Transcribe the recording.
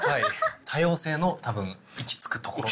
多様性の多分行き着くところ。